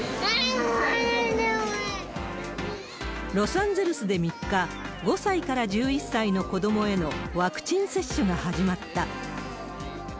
ロサンゼルスで３日、５歳から１１歳の子どもへのワクチン接種が始まった。